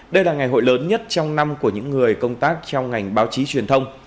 đây là ngày hội lớn nhất trong năm của những người công tác trong ngành báo chí truyền thông